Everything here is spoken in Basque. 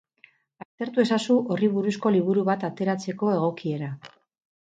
Aztertu ezazu horri buruzko liburu bat ateratzeko egokiera.